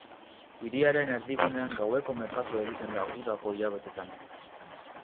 Hiriaren erdigunean gaueko merkatua egiten da udako hilabetetan.